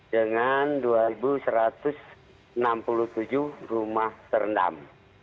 dengan dua satu ratus enam puluh tujuh rumah terendam